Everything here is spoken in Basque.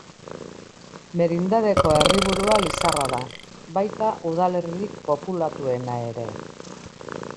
Merindadeko herriburua Lizarra da, baita udalerririk populatuena ere.